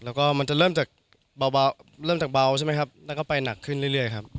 แล้วก็มันจะเริ่มจากเบาเริ่มจากเบาใช่ไหมครับแล้วก็ไปหนักขึ้นเรื่อยครับ